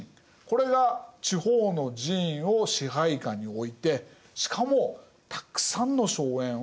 これが地方の寺院を支配下に置いてしかもたくさんの荘園を蓄えたんです。